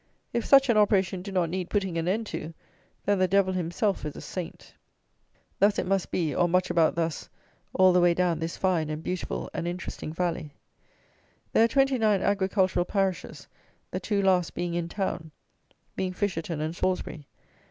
If such an operation do not need putting an end to, then the devil himself is a saint. Thus it must be, or much about thus, all the way down this fine and beautiful and interesting valley. There are 29 agricultural parishes, the two last being in town; being Fisherton and Salisbury.